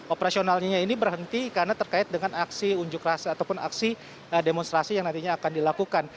operasionalnya ini berhenti karena terkait dengan aksi unjuk rasa ataupun aksi demonstrasi yang nantinya akan dilakukan